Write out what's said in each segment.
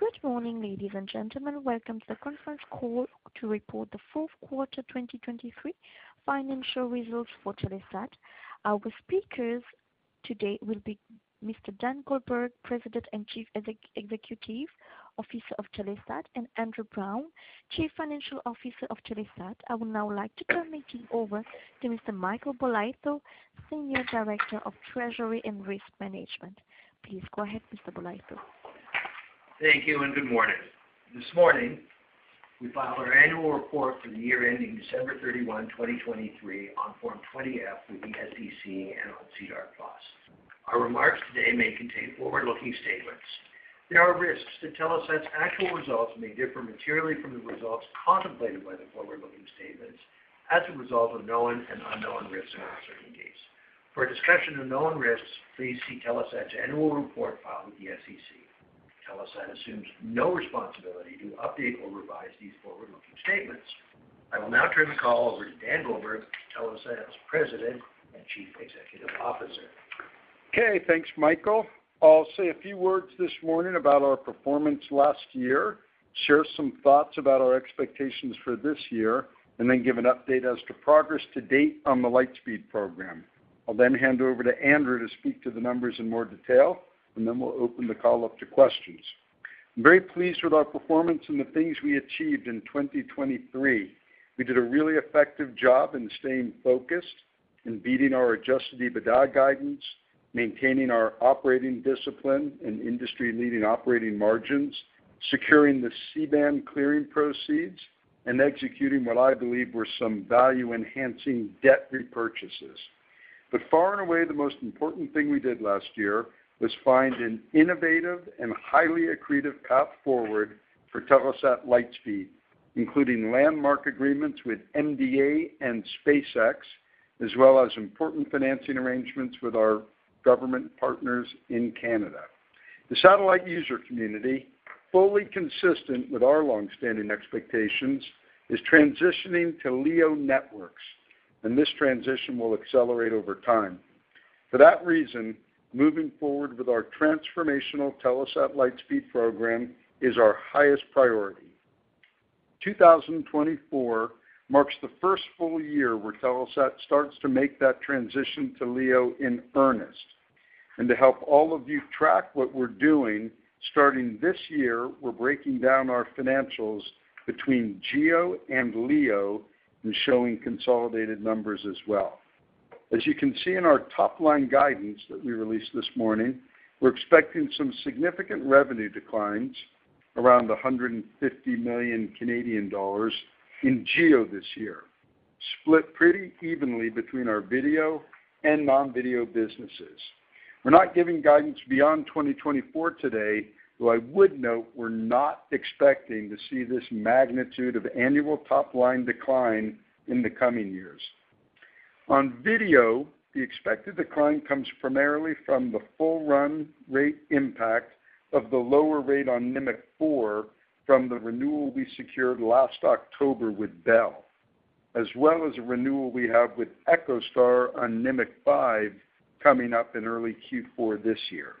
Good morning, ladies and gentlemen. Welcome to the conference call to report the fourth quarter 2023 financial results for Telesat. Our speakers today will be Mr. Dan Goldberg, President and Chief Executive Officer of Telesat, and Andrew Browne, Chief Financial Officer of Telesat. I would now like to turn the meeting over to Mr. Michael Bolitho, Senior Director of Treasury and Risk Management. Please go ahead, Mr. Bolitho. Thank you and good morning. This morning we filed our annual report for the year ending December 31, 2023, on Form 20-F with the SEC and on SEDAR+. Our remarks today may contain forward-looking statements. There are risks that Telesat's actual results may differ materially from the results contemplated by the forward-looking statements as a result of known and unknown risks in uncertain cases. For a discussion of known risks, please see Telesat's annual report filed with the SEC. Telesat assumes no responsibility to update or revise these forward-looking statements. I will now turn the call over to Dan Goldberg, Telesat's President and Chief Executive Officer. Okay, thanks, Michael. I'll say a few words this morning about our performance last year, share some thoughts about our expectations for this year, and then give an update as to progress to date on the Lightspeed program. I'll then hand over to Andrew to speak to the numbers in more detail, and then we'll open the call up to questions. I'm very pleased with our performance and the things we achieved in 2023. We did a really effective job in staying focused, in beating our Adjusted EBITDA guidance, maintaining our operating discipline and industry-leading operating margins, securing the C-band clearing proceeds, and executing what I believe were some value-enhancing debt repurchases. But far and away, the most important thing we did last year was find an innovative and highly accretive path forward for Telesat Lightspeed, including landmark agreements with MDA and SpaceX, as well as important financing arrangements with our government partners in Canada. The satellite user community, fully consistent with our longstanding expectations, is transitioning to LEO Networks, and this transition will accelerate over time. For that reason, moving forward with our transformational Telesat Lightspeed program is our highest priority. 2024 marks the first full year where Telesat starts to make that transition to LEO in earnest. And to help all of you track what we're doing, starting this year, we're breaking down our financials between GEO and LEO and showing consolidated numbers as well. As you can see in our top-line guidance that we released this morning, we're expecting some significant revenue declines, around 150 million Canadian dollars in GEO this year, split pretty evenly between our video and non-video businesses. We're not giving guidance beyond 2024 today, though I would note we're not expecting to see this magnitude of annual top-line decline in the coming years. On video, the expected decline comes primarily from the full-run rate impact of the lower rate on Nimiq 4 from the renewal we secured last October with Bell, as well as a renewal we have with EchoStar on Nimiq 5 coming up in early Q4 this year.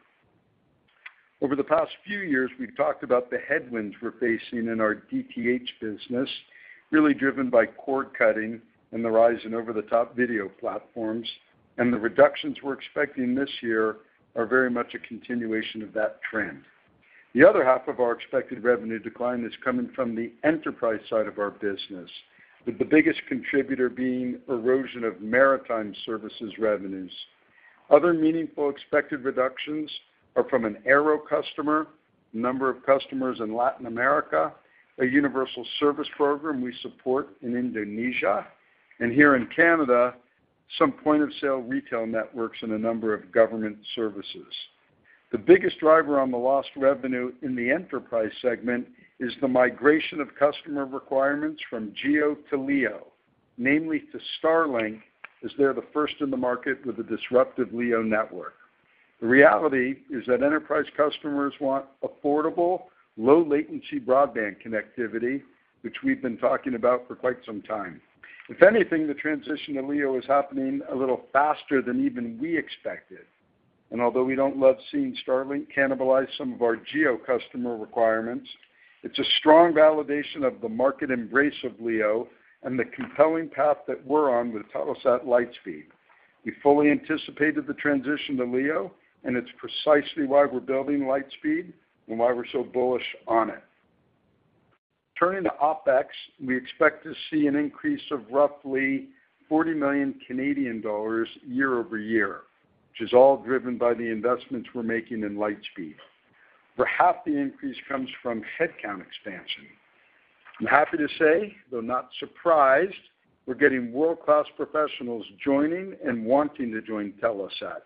Over the past few years, we've talked about the headwinds we're facing in our DTH business, really driven by cord cutting and the rise in over-the-top video platforms, and the reductions we're expecting this year are very much a continuation of that trend. The other half of our expected revenue decline is coming from the enterprise side of our business, with the biggest contributor being erosion of maritime services revenues. Other meaningful expected reductions are from an Aero customer, a number of customers in Latin America, a universal service program we support in Indonesia, and here in Canada, some point-of-sale retail networks and a number of government services. The biggest driver on the lost revenue in the enterprise segment is the migration of customer requirements from GEO to LEO, namely to Starlink as they're the first in the market with a disruptive LEO network. The reality is that enterprise customers want affordable, low-latency broadband connectivity, which we've been talking about for quite some time. If anything, the transition to LEO is happening a little faster than even we expected. And although we don't love seeing Starlink cannibalize some of our GEO customer requirements, it's a strong validation of the market embrace of LEO and the compelling path that we're on with Telesat Lightspeed. We fully anticipated the transition to LEO, and it's precisely why we're building Lightspeed and why we're so bullish on it. Turning to OpEx, we expect to see an increase of roughly 40 million Canadian dollars year-over-year, which is all driven by the investments we're making in Lightspeed. For half the increase comes from headcount expansion. I'm happy to say, though not surprised, we're getting world-class professionals joining and wanting to join Telesat,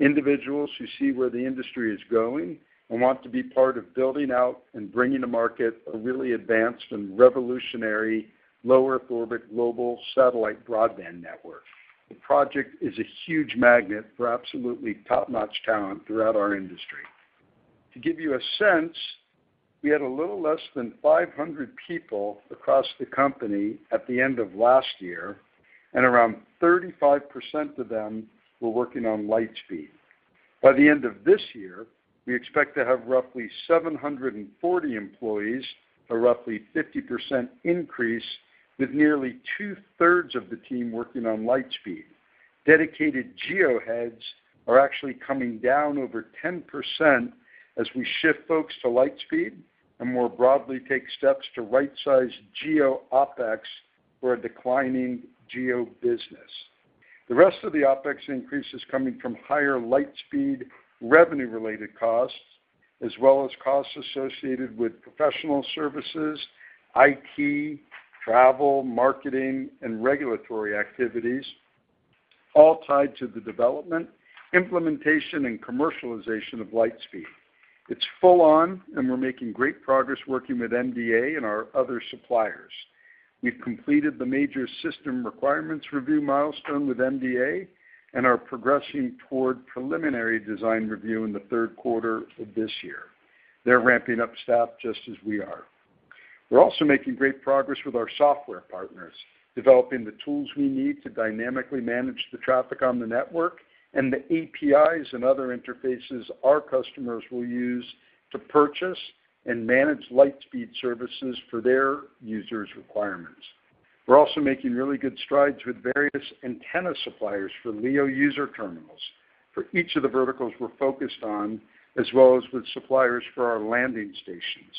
individuals who see where the industry is going and want to be part of building out and bringing to market a really advanced and revolutionary low-Earth orbit global satellite broadband network. The project is a huge magnet for absolutely top-notch talent throughout our industry. To give you a sense, we had a little less than 500 people across the company at the end of last year, and around 35% of them were working on Lightspeed. By the end of this year, we expect to have roughly 740 employees, a roughly 50% increase, with nearly two-thirds of the team working on Lightspeed. Dedicated GEO heads are actually coming down over 10% as we shift folks to Lightspeed and more broadly take steps to right-size GEO OpEx for a declining GEO business. The rest of the OpEx increase is coming from higher Lightspeed revenue-related costs, as well as costs associated with professional services, IT, travel, marketing, and regulatory activities, all tied to the development, implementation, and commercialization of Lightspeed. It's full-on, and we're making great progress working with MDA and our other suppliers. We've completed the major system requirements review milestone with MDA and are progressing toward preliminary design review in the third quarter of this year. They're ramping up staff just as we are. We're also making great progress with our software partners, developing the tools we need to dynamically manage the traffic on the network and the APIs and other interfaces our customers will use to purchase and manage Lightspeed services for their users' requirements. We're also making really good strides with various antenna suppliers for LEO user terminals for each of the verticals we're focused on, as well as with suppliers for our landing stations.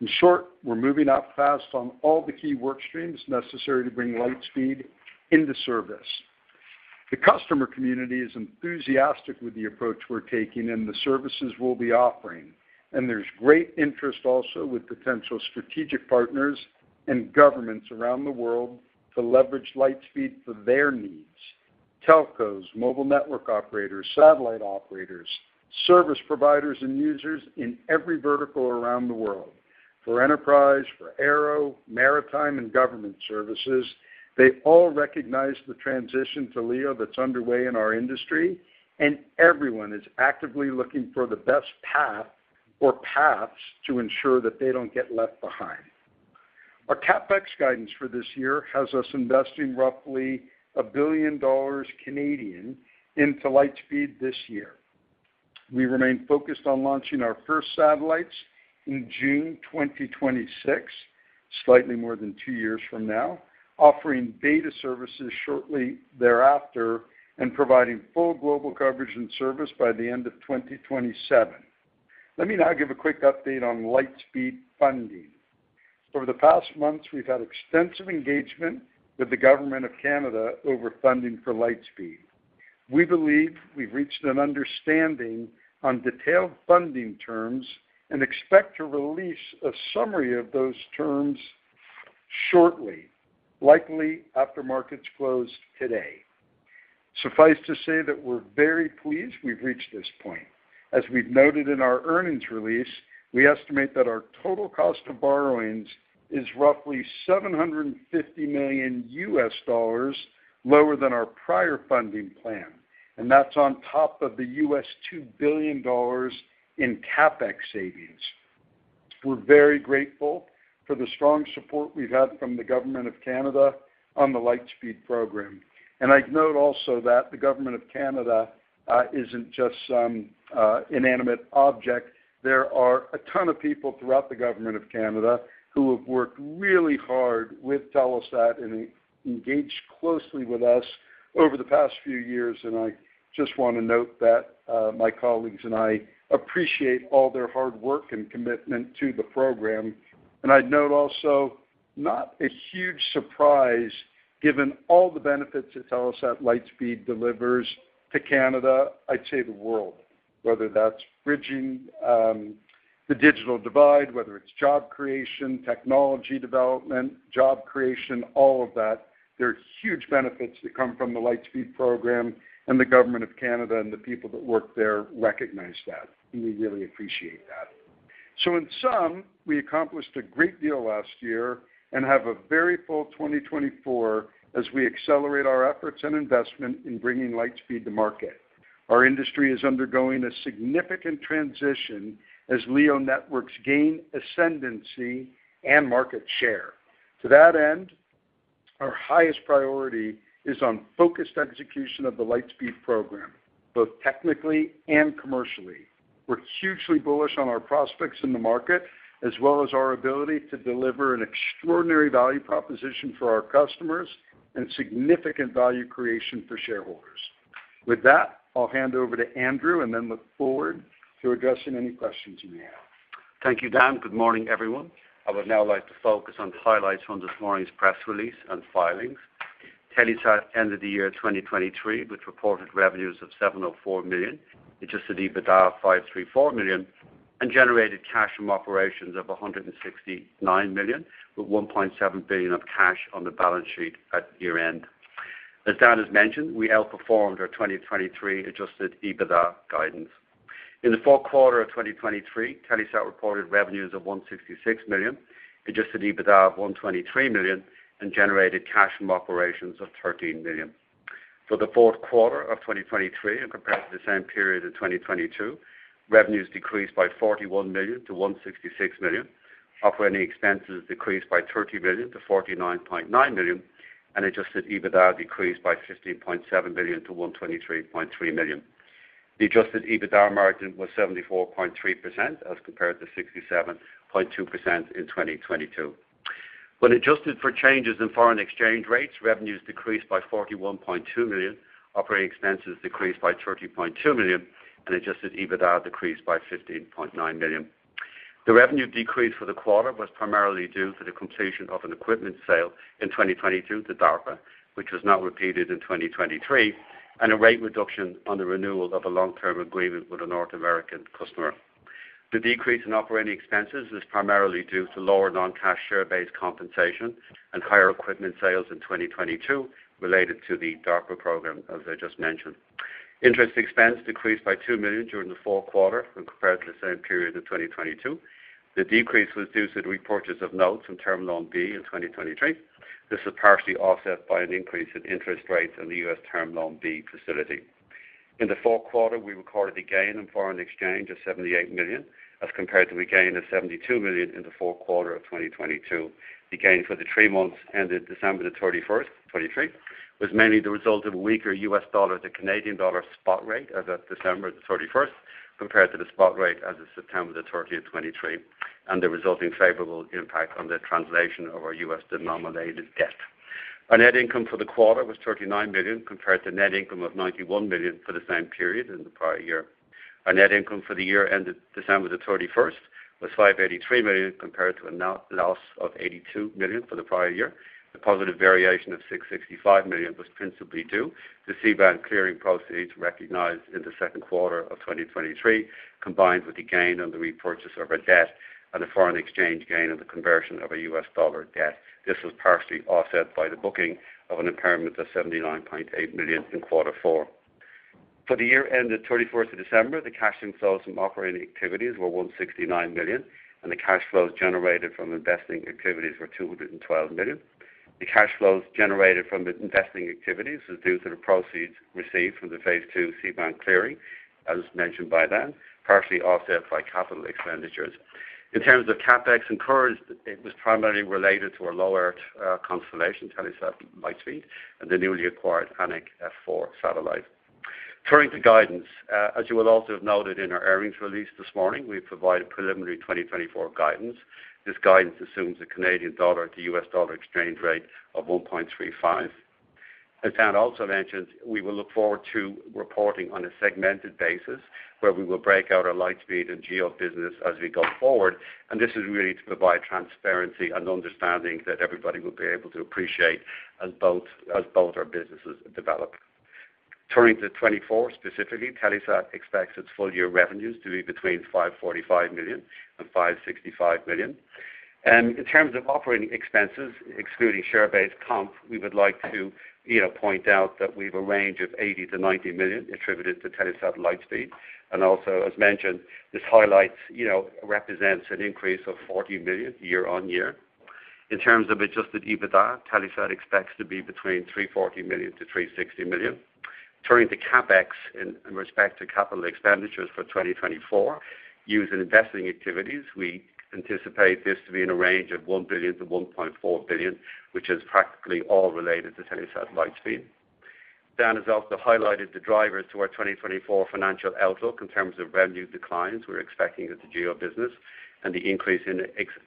In short, we're moving up fast on all the key workstreams necessary to bring Lightspeed into service. The customer community is enthusiastic with the approach we're taking and the services we'll be offering, and there's great interest also with potential strategic partners and governments around the world to leverage Lightspeed for their needs: telcos, mobile network operators, satellite operators, service providers, and users in every vertical around the world. For enterprise, for Aero, maritime, and government services, they all recognize the transition to LEO that's underway in our industry, and everyone is actively looking for the best path or paths to ensure that they don't get left behind. Our CapEx guidance for this year has us investing roughly 1 billion dollars into Lightspeed this year. We remain focused on launching our first satellites in June 2026, slightly more than two years from now, offering beta services shortly thereafter, and providing full global coverage and service by the end of 2027. Let me now give a quick update on Lightspeed funding. Over the past months, we've had extensive engagement with the Government of Canada over funding for Lightspeed. We believe we've reached an understanding on detailed funding terms and expect to release a summary of those terms shortly, likely after markets close today. Suffice to say that we're very pleased we've reached this point. As we've noted in our earnings release, we estimate that our total cost of borrowings is roughly CAD 750 million lower than our prior funding plan, and that's on top of the $2 billion in CapEx savings. We're very grateful for the strong support we've had from the Government of Canada on the Lightspeed program. And I'd note also that the Government of Canada isn't just some inanimate object. There are a ton of people throughout the Government of Canada who have worked really hard with Telesat and engaged closely with us over the past few years, and I just want to note that my colleagues and I appreciate all their hard work and commitment to the program. I'd note also, not a huge surprise given all the benefits that Telesat Lightspeed delivers to Canada, I'd say the world, whether that's bridging the digital divide, whether it's job creation, technology development, job creation, all of that, there are huge benefits that come from the Lightspeed program, and the Government of Canada and the people that work there recognize that, and we really appreciate that. So in sum, we accomplished a great deal last year and have a very full 2024 as we accelerate our efforts and investment in bringing Lightspeed to market. Our industry is undergoing a significant transition as LEO Networks gain ascendancy and market share. To that end, our highest priority is on focused execution of the Lightspeed program, both technically and commercially. We're hugely bullish on our prospects in the market, as well as our ability to deliver an extraordinary value proposition for our customers and significant value creation for shareholders. With that, I'll hand over to Andrew and then look forward to addressing any questions you may have. Thank you, Dan. Good morning, everyone. I would now like to focus on highlights from this morning's press release and filings. Telesat ended the year 2023 with reported revenues of 704 million, Adjusted EBITDA of 534 million, and generated cash from operations of 169 million, with 1.7 billion on the balance sheet at year-end. As Dan has mentioned, we outperformed our 2023 Adjusted EBITDA guidance. In the fourth quarter of 2023, Telesat reported revenues of 166 million, Adjusted EBITDA of 123 million, and generated cash from operations of 13 million. For the fourth quarter of 2023, in comparison to the same period in 2022, revenues decreased by 41 million to 166 million, operating expenses decreased by 30 million to 49.9 million, and Adjusted EBITDA decreased by 15.7 million to 123.3 million. The adjusted EBITDA margin was 74.3% as compared to 67.2% in 2022. When adjusted for changes in foreign exchange rates, revenues decreased by 41.2 million, operating expenses decreased by 30.2 million, and adjusted EBITDA decreased by 15.9 million. The revenue decrease for the quarter was primarily due to the completion of an equipment sale in 2022 to DARPA, which was not repeated in 2023, and a rate reduction on the renewal of a long-term agreement with a North American customer. The decrease in operating expenses is primarily due to lower non-cash share-based compensation and higher equipment sales in 2022 related to the DARPA program, as I just mentioned. Interest expense decreased by 2 million during the fourth quarter in comparison to the same period in 2022. The decrease was due to the repurchase of notes from Term Loan B in 2023. This was partially offset by an increase in interest rates on the Term Loan B facility. In the fourth quarter, we recorded a gain in foreign exchange of 78 million as compared to a gain of 72 million in the fourth quarter of 2022. The gain for the three months ended December 31, 2023, was mainly the result of a weaker U.S. dollar to Canadian dollar spot rate as of December 31 compared to the spot rate as of September 30, 2023, and the resulting favorable impact on the translation of our U.S. denominated debt. Our net income for the quarter was 39 million compared to net income of 91 million for the same period in the prior year. Our net income for the year ended December 31 was 583 million compared to a loss of 82 million for the prior year. A positive variation of 665 million was principally due to C-band clearing proceeds recognized in the second quarter of 2023, combined with the gain on the repurchase of our debt and the foreign exchange gain on the conversion of our US dollar debt. This was partially offset by the booking of an impairment of 79.8 million in quarter four. For the year ended December 31, the cash inflows from operating activities were 169 million, and the cash flows generated from investing activities were 212 million. The cash flows generated from investing activities were due to the proceeds received from the phase two C-band clearing, as mentioned by Dan, partially offset by capital expenditures. In terms of CapEx incurred, it was primarily related to our low-Earth constellation, Telesat Lightspeed, and the newly acquired Anik F4 satellite. Turning to guidance, as you will also have noted in our earnings release this morning, we provide preliminary 2024 guidance. This guidance assumes a Canadian dollar to US dollar exchange rate of 1.35. As Dan also mentioned, we will look forward to reporting on a segmented basis where we will break out our Lightspeed and GEO business as we go forward, and this is really to provide transparency and understanding that everybody will be able to appreciate as both our businesses develop. Turning to 2024 specifically, Telesat expects its full-year revenues to be between 545 million and 565 million. In terms of operating expenses, excluding share-based comp, we would like to point out that we have a range of 80 million-90 million attributed to Telesat Lightspeed. And also, as mentioned, this highlights represents an increase of 40 million year-on-year. In terms of Adjusted EBITDA, Telesat expects to be between 340 million-360 million. Turning to CapEx in respect to capital expenditures for 2024, used in investing activities, we anticipate this to be in a range of 1 billion-1.4 billion, which is practically all related to Telesat Lightspeed. Dan has also highlighted the drivers to our 2024 financial outlook in terms of revenue declines we're expecting at the GEO business and the increase in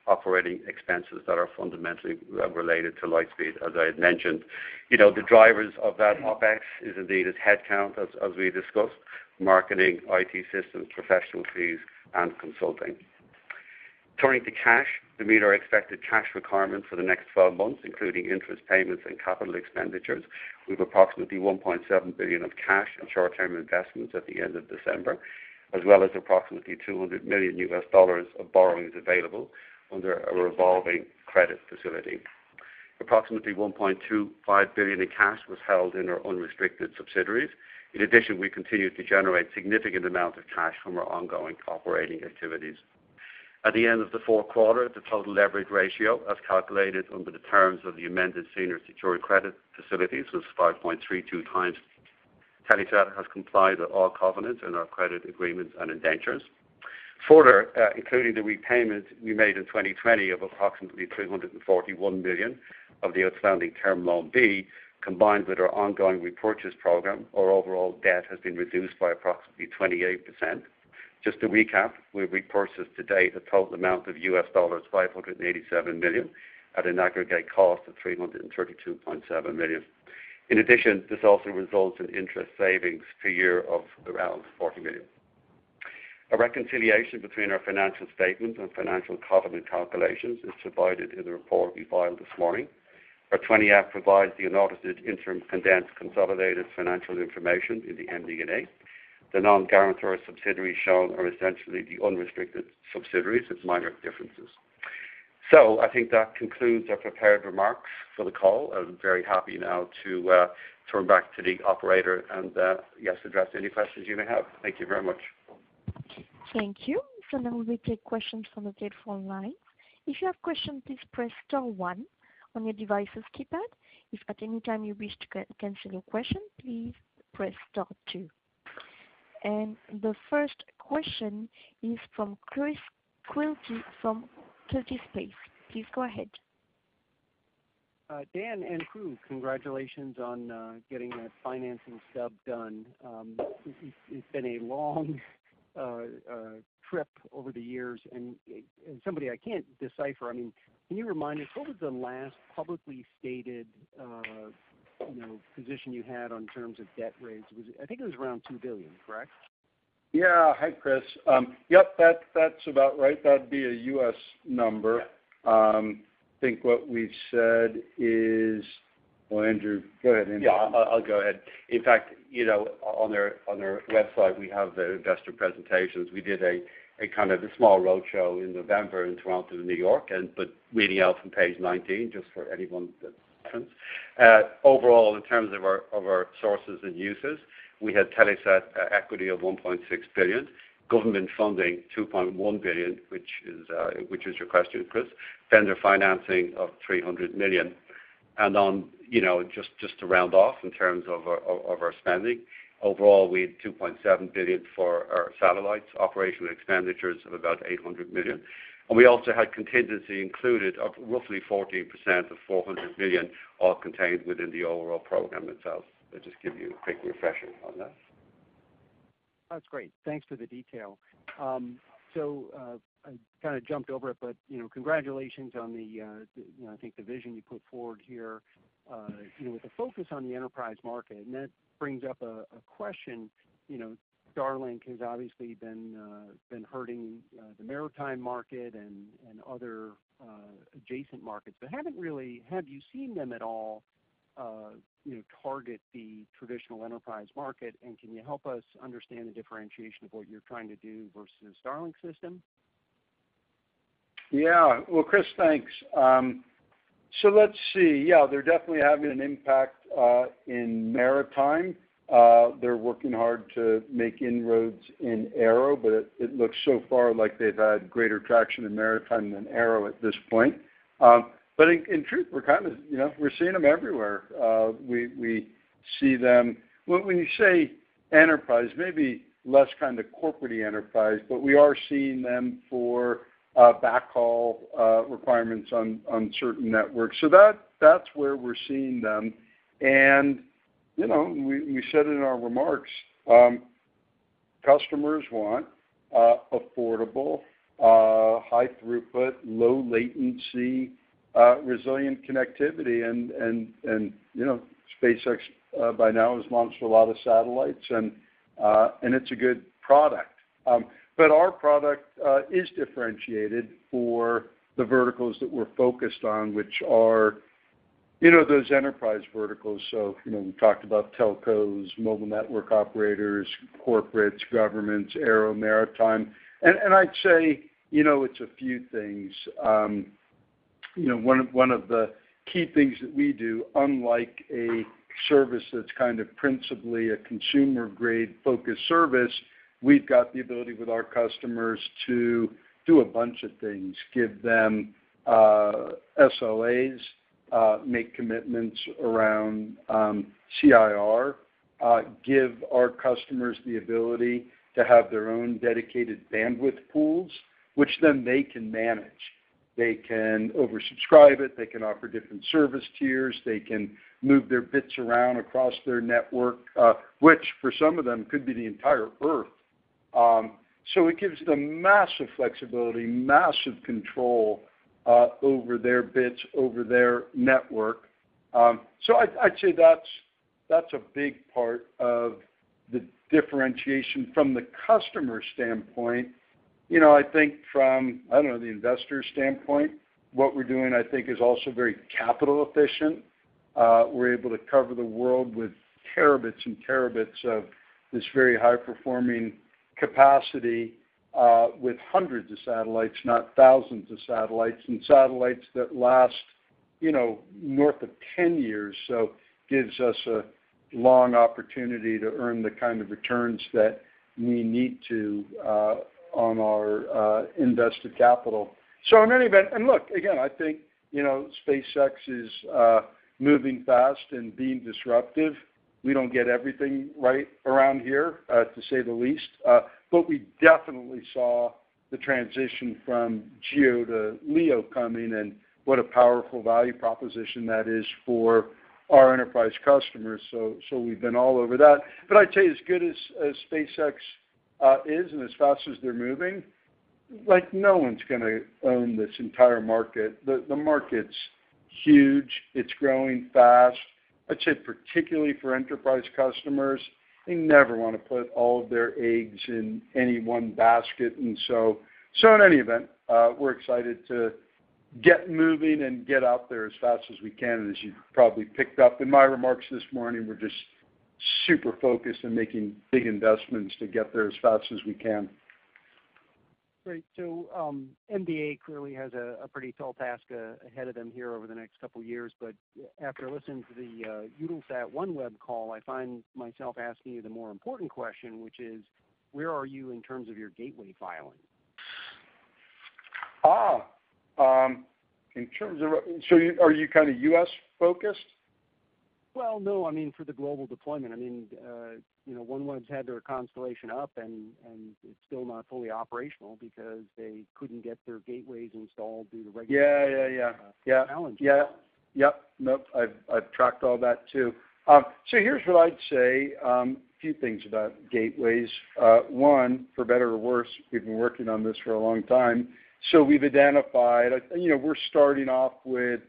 operating expenses that are fundamentally related to Lightspeed, as I had mentioned. The drivers of that OpEx is indeed its headcount, as we discussed, marketing, IT systems, professional fees, and consulting. Turning to cash, to meet our expected cash requirements for the next 12 months, including interest payments and capital expenditures, we have approximately 1.7 billion in cash and short-term investments at the end of December, as well as approximately CAD 200 million of borrowings available under a revolving credit facility. Approximately 1.25 billion in cash was held in our unrestricted subsidiaries. In addition, we continue to generate significant amounts of cash from our ongoing operating activities. At the end of the fourth quarter, the total leverage ratio, as calculated under the terms of the amended senior secured credit facilities, was 5.32 times. Telesat has complied with all covenants in our credit agreements and indentures. Further, including the repayment we made in 2020 of approximately 341 million of the outstanding Term Loan B, combined with our ongoing repurchase program, our overall debt has been reduced by approximately 28%. Just to recap, we've repurchased to date a total amount of U.S. dollars 587 million at an aggregate cost of 332.7 million. In addition, this also results in interest savings per year of around 40 million. A reconciliation between our financial statements and financial covenant calculations is provided in the report we filed this morning. Our 20-F provides an audited interim condensed consolidated financial information in the MD&A. The non-guarantor subsidiaries shown are essentially the unrestricted subsidiaries with minor differences. So I think that concludes our prepared remarks for the call. I'm very happy now to turn back to the operator and, yes, address any questions you may have. Thank you very much. Thank you. So now we take questions from the table online. If you have questions, please press star one on your device's keypad. If at any time you wish to cancel your question, please press star two. And the first question is from Chris Quilty from Quilty Space. Please go ahead. Dan and Crew, congratulations on getting that financing stub done. It's been a long trip over the years, and somebody I can't decipher, I mean, can you remind us, what was the last publicly stated position you had on terms of debt raise? I think it was around 2 billion, correct? Yeah. Hi, Chris. Yep, that's about right. That'd be a US number. I think what we said is well, Andrew, go ahead, Andrew. Yeah, I'll go ahead. In fact, on their website, we have their investor presentations. We did a kind of a small roadshow in November in Toronto, New York, but reading out from page 19 just for anyone that's referenced. Overall, in terms of our sources and uses, we had Telesat equity of 1.6 billion, government funding 2.1 billion, which is your question, Chris, vendor financing of 300 million. And just to round off in terms of our spending, overall, we had 2.7 billion for our satellites, operational expenditures of about 800 million. And we also had contingency included of roughly 14% of 400 million all contained within the overall program itself. Let me just give you a quick refresher on that. That's great. Thanks for the detail. So I kind of jumped over it, but congratulations on the I think the vision you put forward here with a focus on the enterprise market. And that brings up a question. Starlink has obviously been hurting the maritime market and other adjacent markets, but haven't really, have you seen them at all target the traditional enterprise market? And can you help us understand the differentiation of what you're trying to do versus Starlink system? Yeah. Well, Chris, thanks. So let's see. Yeah, they're definitely having an impact in maritime. They're working hard to make inroads in aero, but it looks so far like they've had greater traction in maritime than aero at this point. But in truth, we're kind of seeing them everywhere. We see them when you say enterprise, maybe less kind of corporate enterprise, but we are seeing them for backhaul requirements on certain networks. So that's where we're seeing them. And we said it in our remarks. Customers want affordable, high throughput, low latency, resilient connectivity. And SpaceX by now has launched a lot of satellites, and it's a good product. But our product is differentiated for the verticals that we're focused on, which are those enterprise verticals. So we've talked about telcos, mobile network operators, corporates, governments, aero, maritime. And I'd say it's a few things. One of the key things that we do, unlike a service that's kind of principally a consumer-grade focused service, we've got the ability with our customers to do a bunch of things, give them SLAs, make commitments around CIR, give our customers the ability to have their own dedicated bandwidth pools, which then they can manage. They can oversubscribe it. They can offer different service tiers. They can move their bits around across their network, which for some of them could be the entire Earth. So it gives them massive flexibility, massive control over their bits, over their network. So I'd say that's a big part of the differentiation. From the customer standpoint, I think from, I don't know, the investor standpoint, what we're doing, I think, is also very capital-efficient. We're able to cover the world with terabits and terabits of this very high-performing capacity with hundreds of satellites, not thousands of satellites, and satellites that last north of 10 years. So it gives us a long opportunity to earn the kind of returns that we need to on our invested capital. So in any event and look, again, I think SpaceX is moving fast and being disruptive. We don't get everything right around here, to say the least. But we definitely saw the transition from GEO to LEO coming, and what a powerful value proposition that is for our enterprise customers. So we've been all over that. But I'd say as good as SpaceX is and as fast as they're moving, no one's going to own this entire market. The market's huge. It's growing fast. I'd say particularly for enterprise customers, they never want to put all of their eggs in any one basket. And so in any event, we're excited to get moving and get out there as fast as we can. And as you probably picked up in my remarks this morning, we're just super focused on making big investments to get there as fast as we can. Great. So MDA clearly has a pretty tall task ahead of them here over the next couple of years. But after listening to the Eutelsat OneWeb call, I find myself asking you the more important question, which is, where are you in terms of your gateway filing? In terms of, so are you kind of US-focused? Well, no. I mean, for the global deployment, I mean, OneWeb's had their constellation up, and it's still not fully operational because they couldn't get their gateways installed due to regulatory challenges. Yep. Nope. I've tracked all that too. So here's what I'd say, a few things about gateways. One, for better or worse, we've been working on this for a long time. So we've identified we're starting off with,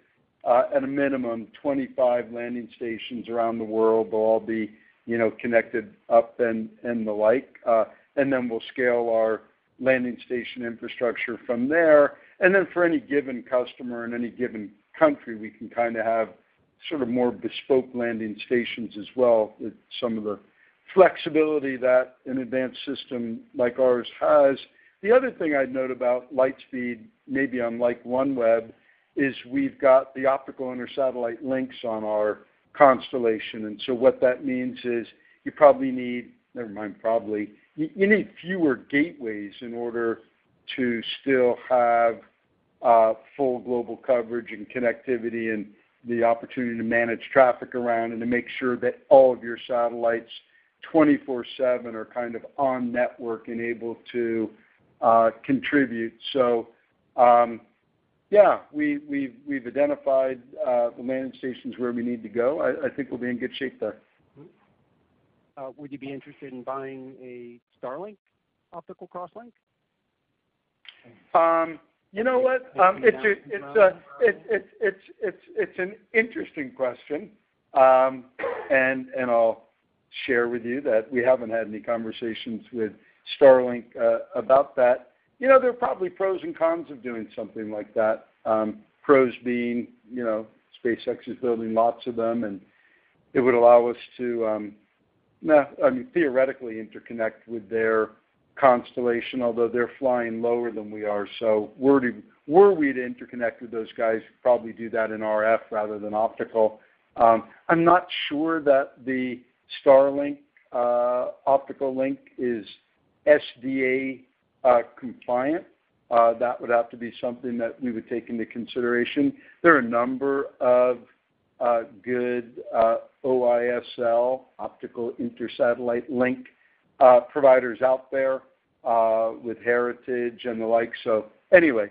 at a minimum, 25 landing stations around the world. They'll all be connected up and the like. And then we'll scale our landing station infrastructure from there. And then for any given customer in any given country, we can kind of have sort of more bespoke landing stations as well with some of the flexibility that an advanced system like ours has. The other thing I'd note about Lightspeed, maybe unlike OneWeb, is we've got the optical intersatellite links on our constellation. And so what that means is you probably need never mind probably. You need fewer gateways in order to still have full global coverage and connectivity and the opportunity to manage traffic around and to make sure that all of your satellites 24/7 are kind of on network and able to contribute. So yeah, we've identified the landing stations where we need to go. I think we'll be in good shape there. Would you be interested in buying a Starlink optical crosslink? You know what? It's an interesting question, and I'll share with you that we haven't had any conversations with Starlink about that. There are probably pros and cons of doing something like that. Pros being SpaceX is building lots of them, and it would allow us to, I mean, theoretically interconnect with their constellation, although they're flying lower than we are. So were we to interconnect with those guys, we'd probably do that in RF rather than optical. I'm not sure that the Starlink optical link is SDA-compliant. That would have to be something that we would take into consideration. There are a number of good OISL optical intersatellite link providers out there with heritage and the like. So anyway,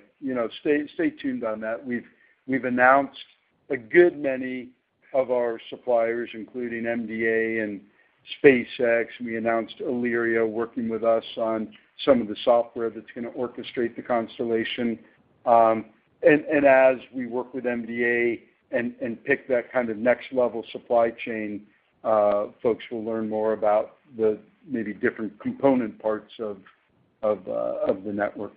stay tuned on that. We've announced a good many of our suppliers, including MDA and SpaceX. We announced Aalyria working with us on some of the software that's going to orchestrate the constellation. As we work with MDA and pick that kind of next-level supply chain, folks will learn more about the maybe different component parts of the network.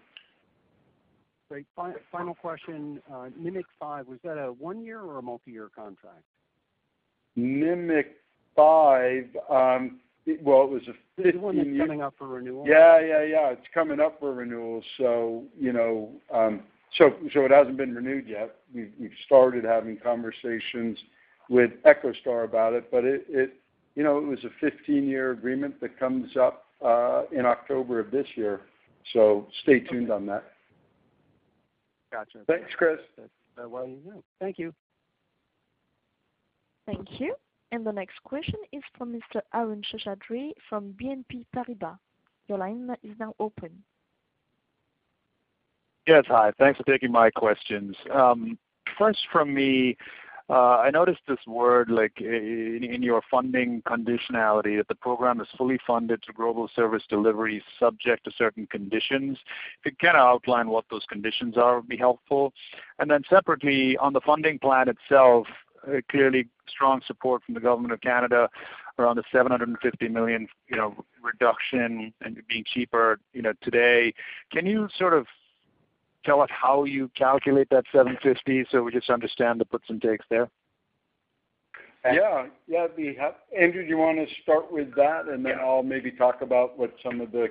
Great. Final question, Nimiq 5, was that a one-year or a multi-year contract? Nimiq 5. Well, it was a 15-year. Is the one that's coming up for renewal? Yeah. It's coming up for renewal, so it hasn't been renewed yet. We've started having conversations with EchoStar about it, but it was a 15-year agreement that comes up in October of this year. So stay tuned on that. Gotcha. Thanks, Chris. That's why you know. Thank you. Thank you. And the next question is for Mr. Arun Seshadri from BNP Paribas. Your line is now open. Yes. Hi. Thanks for taking my questions. First from me, I noticed this word in your funding conditionality, that the program is fully funded to global service delivery subject to certain conditions. If you could kind of outline what those conditions are, it would be helpful. And then separately, on the funding plan itself, clearly strong support from the Government of Canada around the 750 million reduction and it being cheaper today. Can you sort of tell us how you calculate that 750 million so we just understand the puts and takes there? Yeah. Andrew, do you want to start with that, and then I'll maybe talk about what some of the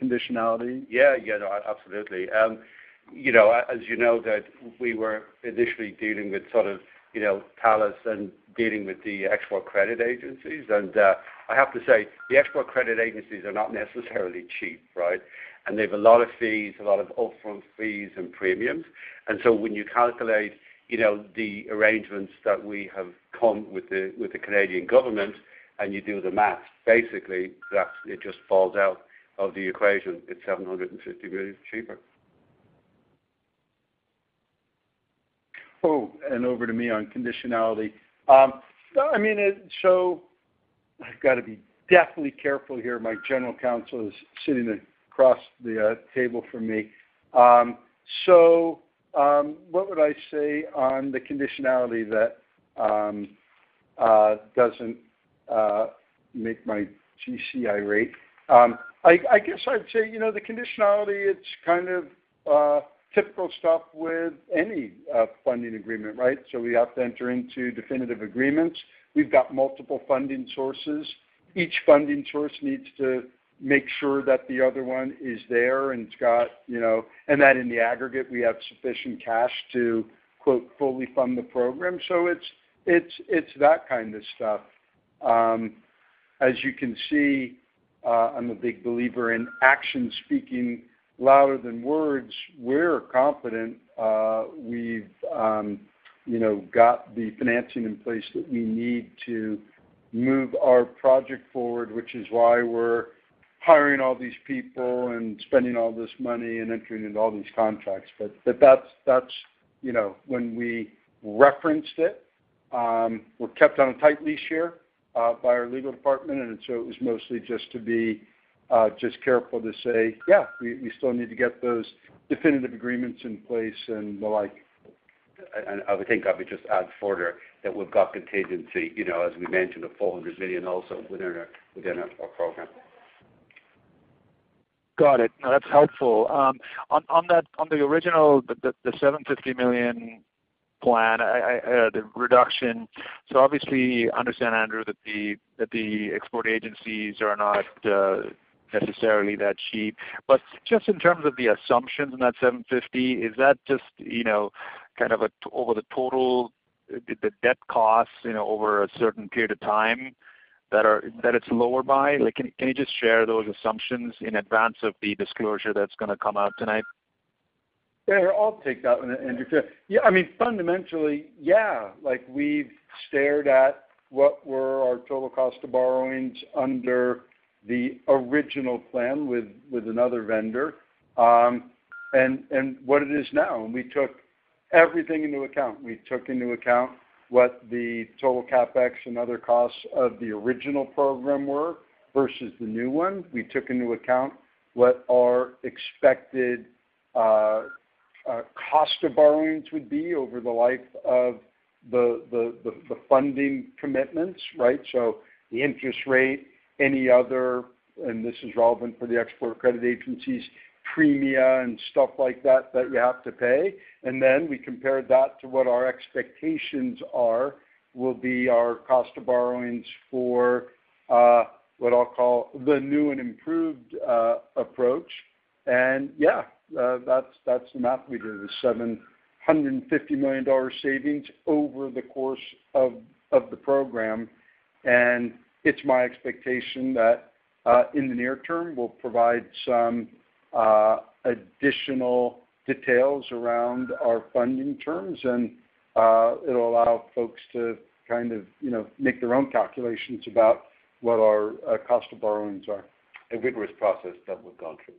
conditionality? Yeah. No, absolutely. As you know, we were initially dealing with sort of palace and dealing with the export credit agencies. I have to say, the export credit agencies are not necessarily cheap, right? They have a lot of fees, a lot of upfront fees and premiums. So when you calculate the arrangements that we have come with the Canadian government and you do the math, basically, it just falls out of the equation. It's 750 million cheaper. Oh, and over to me on conditionality. I mean, so I've got to be definitely careful here. My general counsel is sitting across the table from me. So what would I say on the conditionality that doesn't make my GCI rate? I guess I'd say the conditionality, it's kind of typical stuff with any funding agreement, right? So we have to enter into definitive agreements. We've got multiple funding sources. Each funding source needs to make sure that the other one is there and it's got and that in the aggregate, we have sufficient cash to "fully fund the program." So it's that kind of stuff. As you can see, I'm a big believer in action speaking louder than words. We're confident we've got the financing in place that we need to move our project forward, which is why we're hiring all these people and spending all this money and entering into all these contracts. But that's when we referenced it. We're kept on a tight leash here by our legal department, and so it was mostly just to be just careful to say, "Yeah, we still need to get those definitive agreements in place and the like. I would think I would just add further that we've got contingency, as we mentioned, of 400 million also within our program. Got it. No, that's helpful. On the original, the $750 million plan, the reduction, so obviously, I understand, Andrew, that the export agencies are not necessarily that cheap. But just in terms of the assumptions in that $750, is that just kind of over the total, the debt costs over a certain period of time that it's lower by? Can you just share those assumptions in advance of the disclosure that's going to come out tonight? Yeah. I'll take that one, Andrew, too. I mean, fundamentally, yeah. We've stared at what were our total cost of borrowings under the original plan with another vendor and what it is now. And we took everything into account. We took into account what the total CapEx and other costs of the original program were versus the new one. We took into account what our expected cost of borrowings would be over the life of the funding commitments, right? So the interest rate, any other, and this is relevant for the export credit agencies, premia and stuff like that that you have to pay. And then we compared that to what our expectations will be our cost of borrowings for what I'll call the new and improved approach. And yeah, that's the math we did, the $750 million savings over the course of the program. It's my expectation that in the near term, we'll provide some additional details around our funding terms, and it'll allow folks to kind of make their own calculations about what our cost of borrowings are. A rigorous process that we've gone through.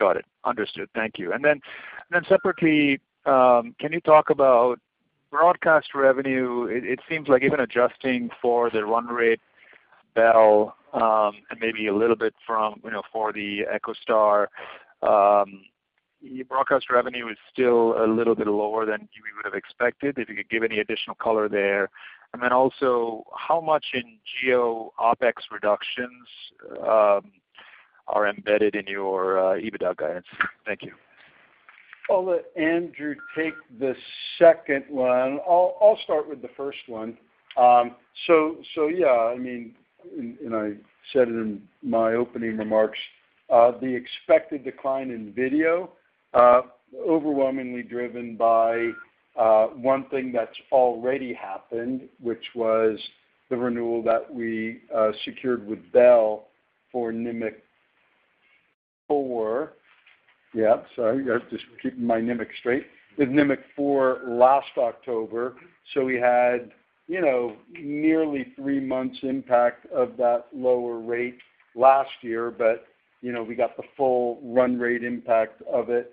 Got it. Understood. Thank you. And then separately, can you talk about broadcast revenue? It seems like even adjusting for the run rate, Bell and maybe a little bit for the EchoStar, your broadcast revenue is still a little bit lower than we would have expected. If you could give any additional color there. And then also, how much in GEO OpEx reductions are embedded in your EBITDA guidance? Thank you. I'll let Andrew take the second one. I'll start with the first one. So yeah, I mean, and I said it in my opening remarks, the expected decline in video, overwhelmingly driven by one thing that's already happened, which was the renewal that we secured with Bell for Nimiq 4. Yeah. Sorry. Just keeping my Nimiq straight. It was Nimiq 4 last October. So we had nearly three months' impact of that lower rate last year, but we got the full run rate impact of it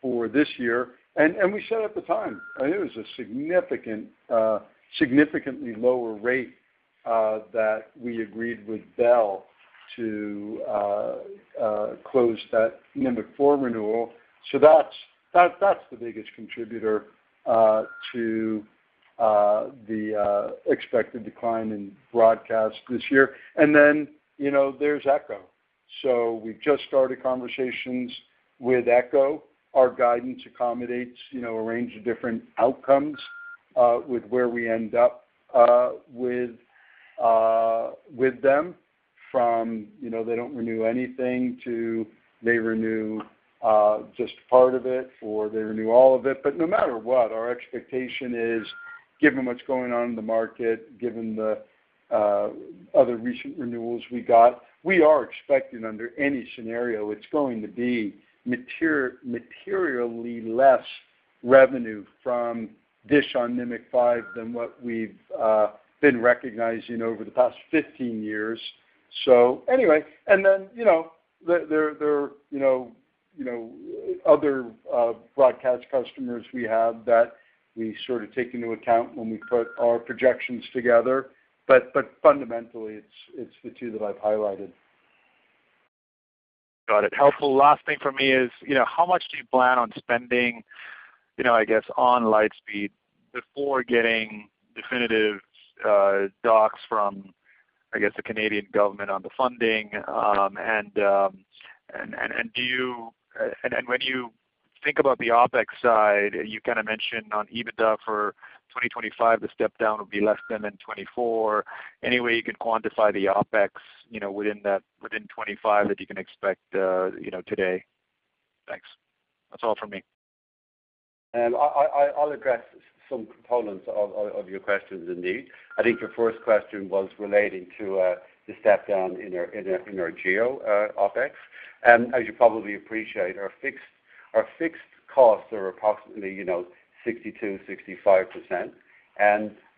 for this year. And we set up the time. I mean, it was a significantly lower rate that we agreed with Bell to close that Nimiq 4 renewal. So that's the biggest contributor to the expected decline in broadcast this year. And then there's Echo. So we've just started conversations with Echo. Our guidance accommodates a range of different outcomes with where we end up with them, from they don't renew anything to they renew just part of it or they renew all of it. But no matter what, our expectation is, given what's going on in the market, given the other recent renewals we got, we are expecting under any scenario, it's going to be materially less revenue from this on Nimiq 5 than what we've been recognizing over the past 15 years. So anyway. And then there are other broadcast customers we have that we sort of take into account when we put our projections together. But fundamentally, it's the two that I've highlighted. Got it. Helpful. Last thing for me is, how much do you plan on spending, I guess, on Lightspeed before getting definitive docs from, I guess, the Canadian government on the funding? And do you and when you think about the OpEx side, you kind of mentioned on EBITDA for 2025, the step down would be less than in 2024. Anyway, you can quantify the OpEx within 2025 that you can expect today. Thanks. That's all from me. I'll address some components of your questions indeed. I think your first question was relating to the step down in our GEO OpEx. As you probably appreciate, our fixed costs are approximately 62%-65%.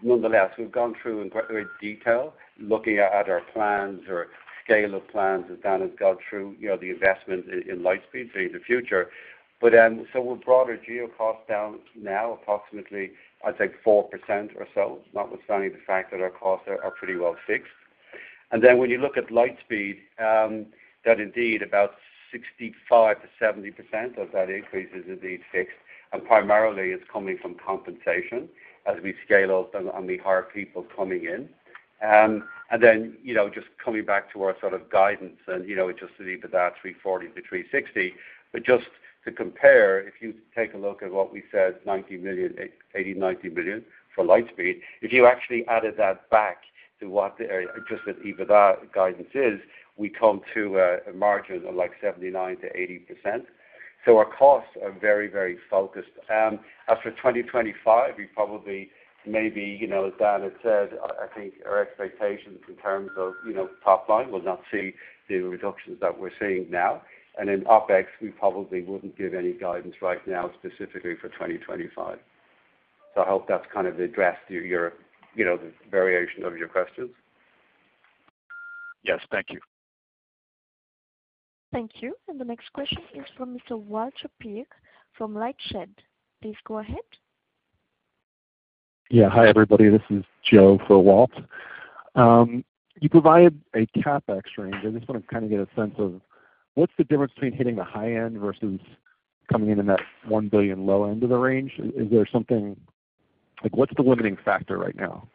Nonetheless, we've gone through in great detail looking at our plans or scale of plans as Dan has gone through the investment in Lightspeed for the future. We've brought our GEO costs down now approximately, I'd say, 4% or so, notwithstanding the fact that our costs are pretty well fixed. Then when you look at Lightspeed, that indeed about 65%-70% of that increase is indeed fixed. Primarily, it's coming from compensation as we scale up and we hire people coming in. And then just coming back to our sort of guidance and just the EBITDA 340 million-360 million, but just to compare, if you take a look at what we said, 80 million, 90 million for Lightspeed, if you actually added that back to what the just the EBITDA guidance is, we come to a margin of like 79%-80%. So our costs are very, very focused. As for 2025, we probably maybe as Dan had said. I think our expectations in terms of top line will not see the reductions that we're seeing now. And in OpEx, we probably wouldn't give any guidance right now specifically for 2025. So I hope that's kind of addressed the variation of your questions. Yes. Thank you. Thank you. The next question is from Mr. Walter Piecyk from LightShed. Please go ahead. Yeah. Hi, everybody. This is Joe for Walt. You provide a CapEx range. I just want to kind of get a sense of what's the difference between hitting the high end versus coming in in that 1 billion low end of the range? Is there something, what's the limiting factor right now?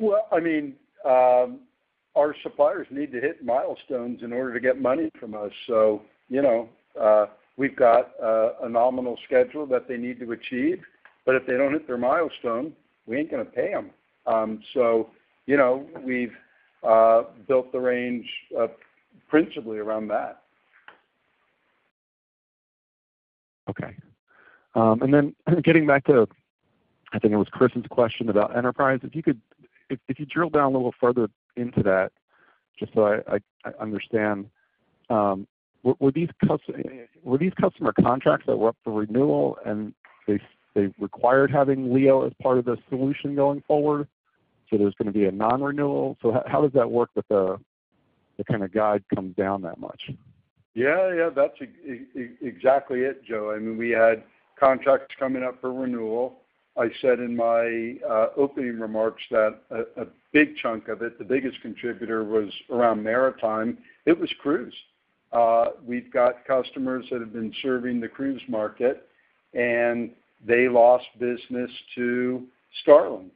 Well, I mean, our suppliers need to hit milestones in order to get money from us. So we've got a nominal schedule that they need to achieve. But if they don't hit their milestone, we ain't going to pay them. So we've built the range principally around that. Okay. And then getting back to, I think it was Chris's question about enterprise. If you could drill down a little further into that just so I understand, were these customer contracts that were up for renewal, and they required having LEO as part of the solution going forward? So there's going to be a non-renewal. So how does that work with the kind of guide comes down that much? Yeah, yeah. That's exactly it, Joe. I mean, we had contracts coming up for renewal. I said in my opening remarks that a big chunk of it, the biggest contributor, was around maritime. It was cruise. We've got customers that have been serving the cruise market, and they lost business to Starlink,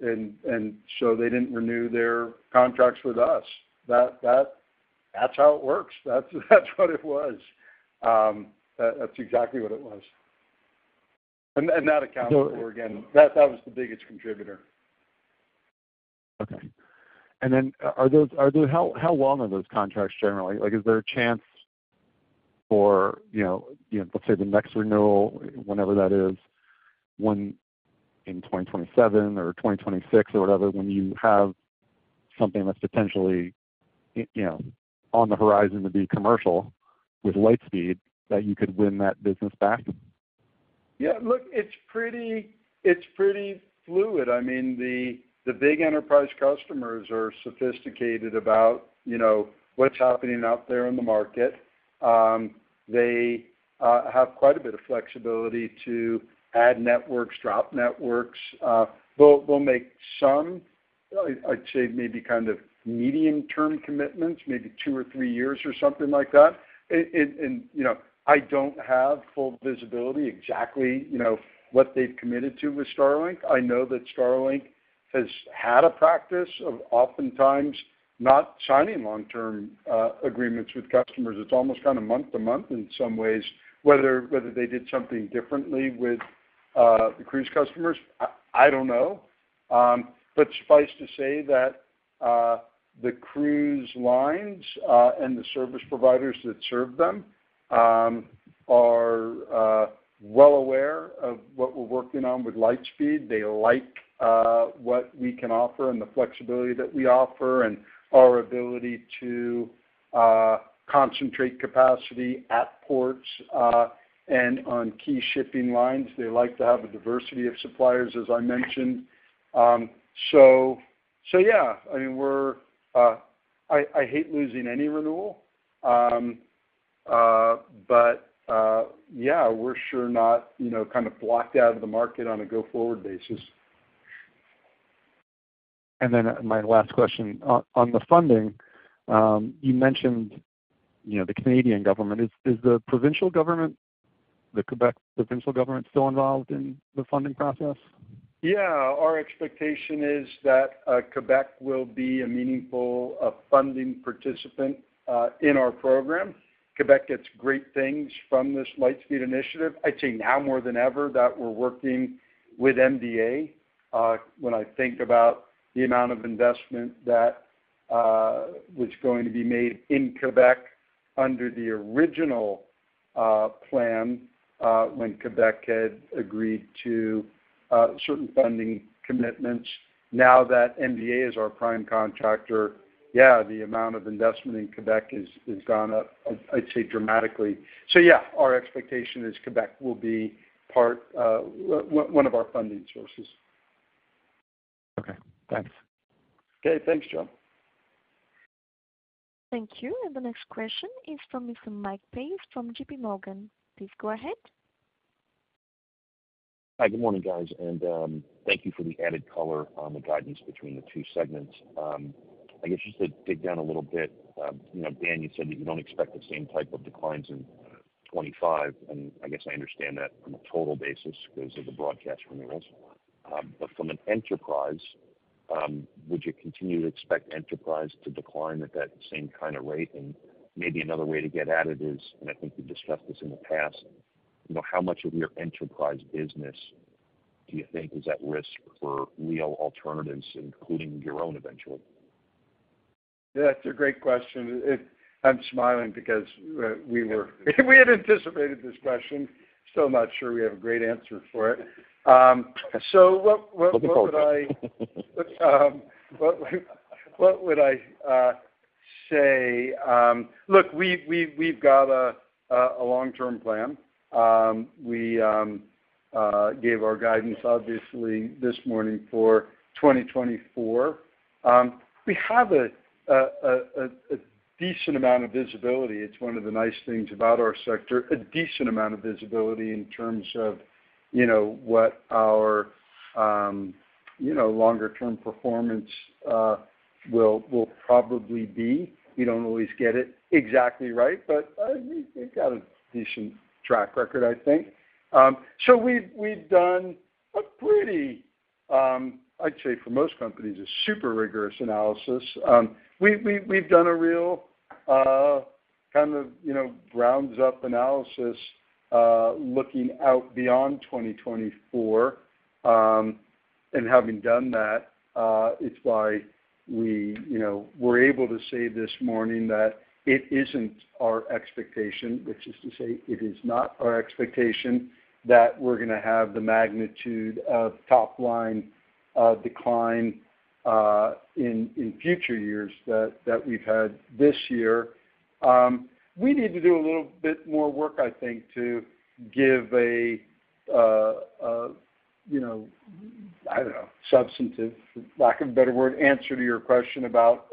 and so they didn't renew their contracts with us. That's how it works. That's what it was. That's exactly what it was. And that accounts for again, that was the biggest contributor. Okay. And then how long are those contracts generally? Is there a chance for, let's say, the next renewal, whenever that is, in 2027 or 2026 or whatever, when you have something that's potentially on the horizon to be commercial with Lightspeed, that you could win that business back? Yeah. Look, it's pretty fluid. I mean, the big enterprise customers are sophisticated about what's happening out there in the market. They have quite a bit of flexibility to add networks, drop networks. They'll make some, I'd say, maybe kind of medium-term commitments, maybe two or three years or something like that. And I don't have full visibility exactly what they've committed to with Starlink. I know that Starlink has had a practice of oftentimes not signing long-term agreements with customers. It's almost kind of month to month in some ways. Whether they did something differently with the cruise customers, I don't know. But suffice to say that the cruise lines and the service providers that serve them are well aware of what we're working on with Lightspeed. They like what we can offer and the flexibility that we offer and our ability to concentrate capacity at ports and on key shipping lines. They like to have a diversity of suppliers, as I mentioned. So yeah, I mean, we're. I hate losing any renewal. But yeah, we're sure not kind of blocked out of the market on a go-forward basis. And then my last question, on the funding, you mentioned the Canadian government. Is the provincial government, the Quebec provincial government, still involved in the funding process? Yeah. Our expectation is that Quebec will be a meaningful funding participant in our program. Quebec gets great things from this Lightspeed initiative. I'd say now more than ever that we're working with MDA when I think about the amount of investment that was going to be made in Quebec under the original plan when Quebec had agreed to certain funding commitments. Now that MDA is our prime contractor, yeah, the amount of investment in Quebec has gone up, I'd say, dramatically. So yeah, our expectation is Quebec will be one of our funding sources. Okay. Thanks. Okay. Thanks, Joe. Thank you. The next question is from Mr. Mike Pace from JPMorgan. Please go ahead. Hi. Good morning, guys. Thank you for the added color on the guidance between the two segments. I guess just to dig down a little bit, Dan, you said that you don't expect the same type of declines in 2025. I guess I understand that on a total basis because of the broadcast renewals. But from an enterprise, would you continue to expect enterprise to decline at that same kind of rate? Maybe another way to get at it is, and I think we've discussed this in the past, how much of your enterprise business do you think is at risk for LEO alternatives, including your own eventually? Yeah. That's a great question. I'm smiling because we had anticipated this question. Still not sure we have a great answer for it. So what would I. Looking forward to it. What would I say? Look, we've got a long-term plan. We gave our guidance, obviously, this morning for 2024. We have a decent amount of visibility. It's one of the nice things about our sector, a decent amount of visibility in terms of what our longer-term performance will probably be. We don't always get it exactly right, but we've got a decent track record, I think. So we've done a pretty, I'd say, for most companies, a super rigorous analysis. We've done a real kind of grounds-up analysis looking out beyond 2024. And having done that, it's why we were able to say this morning that it isn't our expectation, which is to say, it is not our expectation that we're going to have the magnitude of top-line decline in future years that we've had this year. We need to do a little bit more work, I think, to give a, I don't know, substantive, lack of a better word, answer to your question about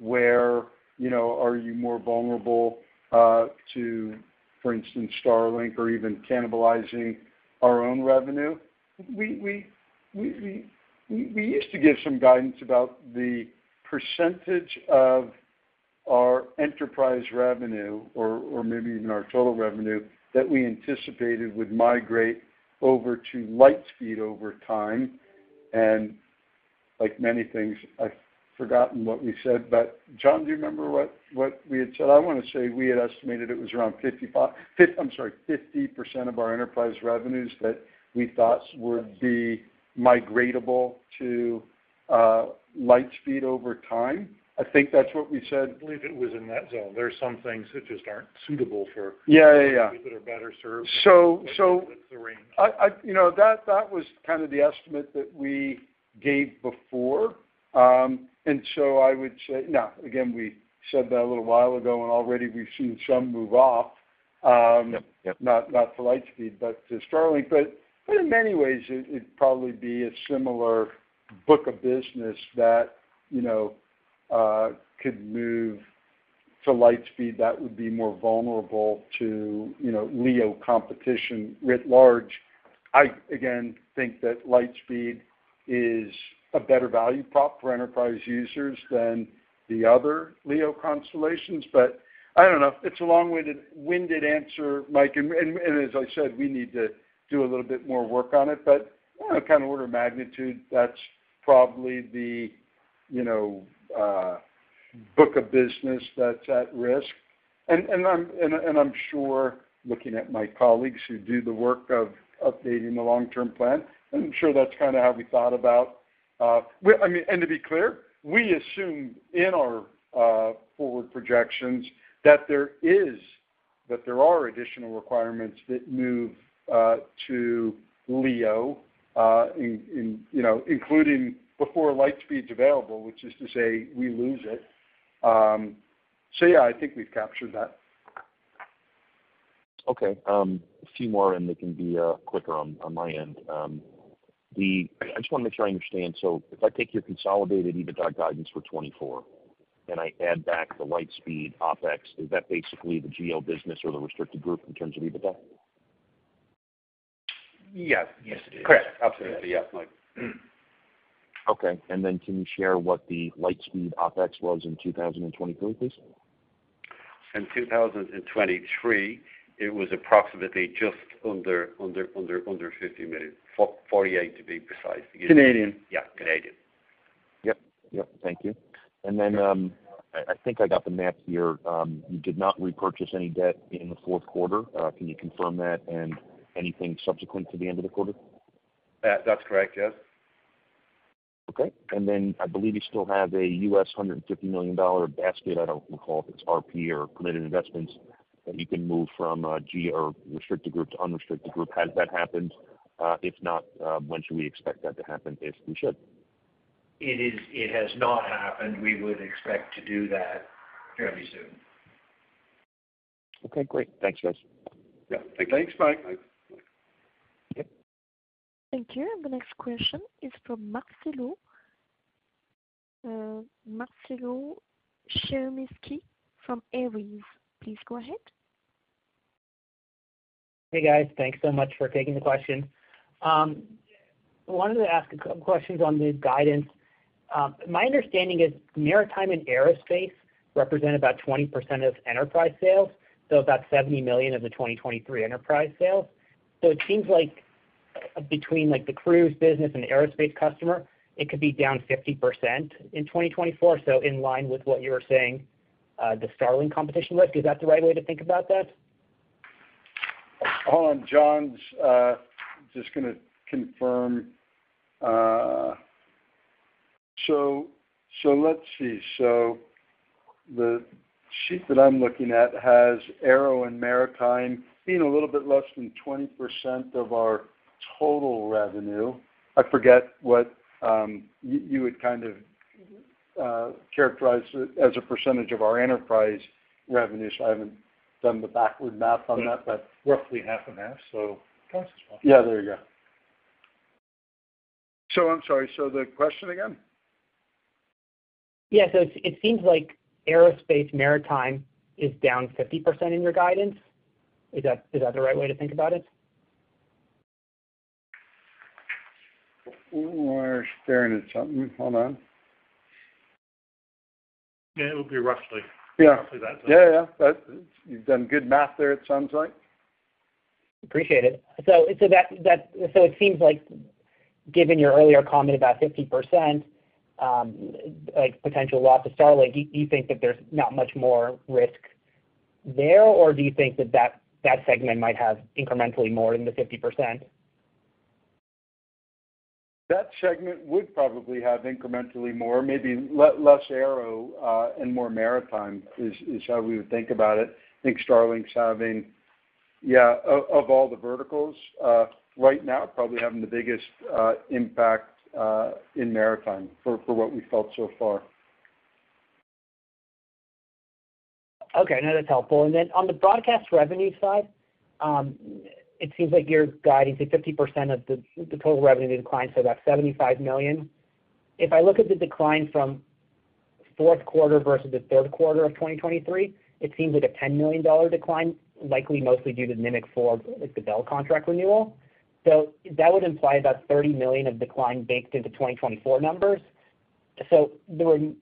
where are you more vulnerable to, for instance, Starlink or even cannibalizing our own revenue? We used to give some guidance about the percentage of our enterprise revenue or maybe even our total revenue that we anticipated would migrate over to Lightspeed over time. Like many things, I've forgotten what we said. But John, do you remember what we had said? I want to say we had estimated it was around 55, I'm sorry, 50% of our enterprise revenues that we thought would be migratable to Lightspeed over time. I think that's what we said. I believe it was in that zone. There are some things that just aren't suitable for. Yeah. People that are better served. So. That's the range. That was kind of the estimate that we gave before. And so I would say now, again, we said that a little while ago, and already, we've seen some move off, not to Lightspeed, but to Starlink. But in many ways, it'd probably be a similar book of business that could move to Lightspeed that would be more vulnerable to LEO competition writ large. I, again, think that Lightspeed is a better value prop for enterprise users than the other LEO constellations. But I don't know. It's a long-winded answer, Mike. And as I said, we need to do a little bit more work on it. But kind of order of magnitude, that's probably the book of business that's at risk. I'm sure, looking at my colleagues who do the work of updating the long-term plan, I'm sure that's kind of how we thought about. I mean, to be clear, we assumed in our forward projections that there are additional requirements that move to LEO, including before Lightspeed's available, which is to say, we lose it. So yeah, I think we've captured that. Okay. A few more, and they can be quicker on my end. I just want to make sure I understand. So if I take your consolidated EBITDA guidance for 2024 and I add back the Lightspeed OpEx, is that basically the GO business or the restricted group in terms of EBITDA? Yes. Yes, it is. Correct. Absolutely. Yeah, Mike. Okay. And then can you share what the Lightspeed OpEx was in 2023, please? In 2023, it was approximately just under $50 million, 48 million to be precise. Canadian. Yeah, Canadian. Yep. Thank you. And then I think I got the map here. You did not repurchase any debt in the fourth quarter. Can you confirm that? And anything subsequent to the end of the quarter? That's correct. Yes. Okay. And then I believe you still have a $150 million basket. I don't recall if it's RP or permitted investments that you can move from a restricted group to unrestricted group. Has that happened? If not, when should we expect that to happen if we should? It has not happened. We would expect to do that fairly soon. Okay. Great. Thanks, guys. Yeah. Thank you. Thanks, Mike. Bye. Yep. Thank you. And the next question is from Marcello Chermisqui from Ares. Please go ahead. Hey, guys. Thanks so much for taking the question. I wanted to ask a couple of questions on the guidance. My understanding is maritime and aerospace represent about 20% of enterprise sales, so about 70 million of the 2023 enterprise sales. It seems like between the cruise business and the aerospace customer, it could be down 50% in 2024. In line with what you were saying, the Starlink competition risk, is that the right way to think about that? Hold on. John's just going to confirm. So let's see. So the sheet that I'm looking at has aero and maritime being a little bit less than 20% of our total revenue. I forget what you would kind of characterize as a percentage of our enterprise revenue. So I haven't done the backward math on that, but. Roughly half and half, so it counts as much. Yeah. There you go. I'm sorry. The question again? Yeah. So it seems like aerospace, maritime is down 50% in your guidance. Is that the right way to think about it? We're staring at something. Hold on. Yeah. It would be roughly that, though. Yeah. You've done good math there, it sounds like. Appreciate it. So it seems like, given your earlier comment about 50%, potential loss to Starlink, do you think that there's not much more risk there, or do you think that that segment might have incrementally more than the 50%? That segment would probably have incrementally more, maybe less aero and more maritime is how we would think about it. I think Starlink's having, yeah, of all the verticals right now, probably having the biggest impact in maritime for what we felt so far. Okay. No, that's helpful. And then on the broadcast revenue side, it seems like your guidance is 50% of the total revenue declines, so about $75 million. If I look at the decline from fourth quarter versus the third quarter of 2023, it seems like a $10 million decline, likely mostly due to Nimiq 4, the Bell contract renewal. So that would imply about $30 million of decline baked into 2024 numbers. So the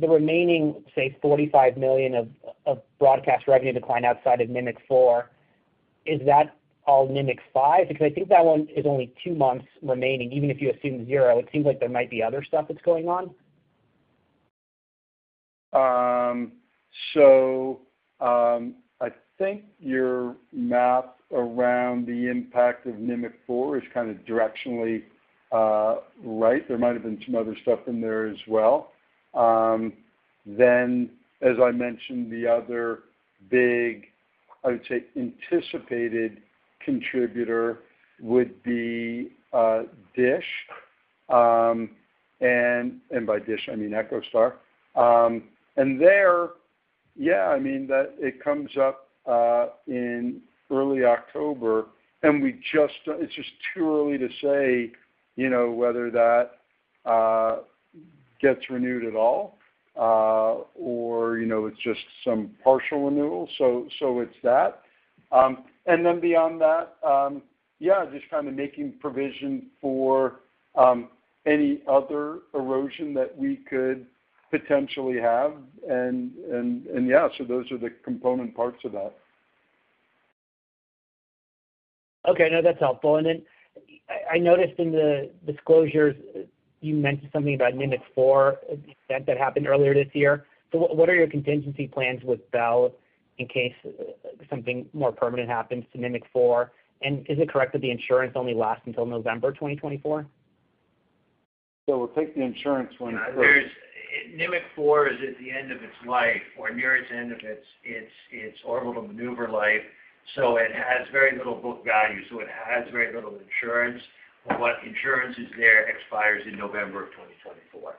remaining, say, $45 million of broadcast revenue decline outside of Nimiq 4, is that all Nimiq 5? Because I think that one is only two months remaining. Even if you assume zero, it seems like there might be other stuff that's going on. So I think your math around the impact of Nimiq 4 is kind of directionally right. There might have been some other stuff in there as well. Then, as I mentioned, the other big, I would say, anticipated contributor would be DISH. And by DISH, I mean EchoStar. And there, yeah, I mean, it comes up in early October. And it's just too early to say whether that gets renewed at all or it's just some partial renewal. So it's that. And then beyond that, yeah, just kind of making provision for any other erosion that we could potentially have. And yeah, so those are the component parts of that. Okay. No, that's helpful. And then I noticed in the disclosures, you mentioned something about Nimiq 4, the event that happened earlier this year. So what are your contingency plans with Bell in case something more permanent happens to Nimiq 4? And is it correct that the insurance only lasts until November 2024? We'll take the insurance when it's approved. Nimiq 4 is at the end of its life or near its end of its orbital maneuver life. So it has very little book value. So it has very little insurance. But what insurance is there expires in November of 2024.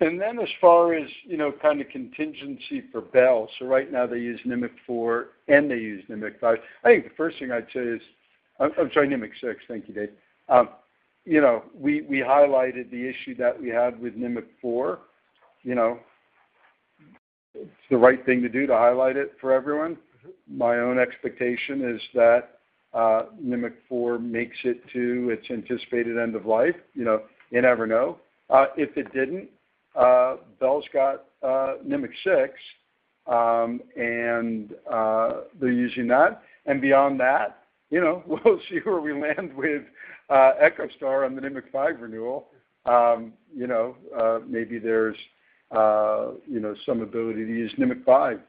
And then as far as kind of contingency for Bell, so right now, they use Nimiq 4, and they use Nimiq 5. I think the first thing I'd say is I'm sorry, Nimiq 6. Thank you, Dave. We highlighted the issue that we had with Nimiq 4. It's the right thing to do to highlight it for everyone. My own expectation is that Nimiq 4 makes it to its anticipated end of life. You never know. If it didn't, Bell's got Nimiq 6, and they're using that. And beyond that, we'll see where we land with EchoStar on the Nimiq 5 renewal. Maybe there's some ability to use Nimiq 5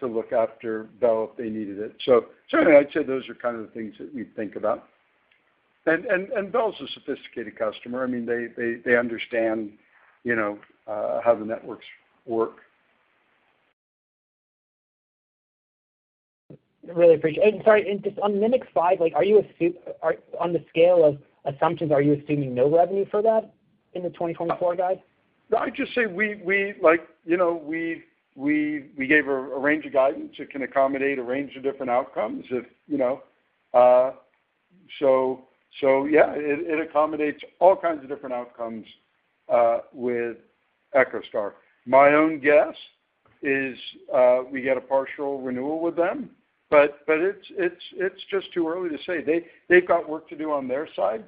to look after Bell if they needed it. So certainly, I'd say those are kind of the things that we'd think about. And Bell's a sophisticated customer. I mean, they understand how the networks work. I really appreciate it. Sorry, on Nimiq 5, are you on the scale of assumptions, are you assuming no revenue for that in the 2024 guide? I'd just say we gave a range of guidance. It can accommodate a range of different outcomes. So yeah, it accommodates all kinds of different outcomes with EchoStar. My own guess is we get a partial renewal with them, but it's just too early to say. They've got work to do on their side